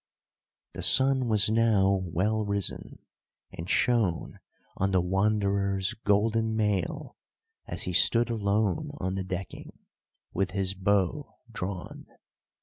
The sun was now well risen, and shone on the Wanderer's golden mail, as he stood alone on the decking, with his bow drawn.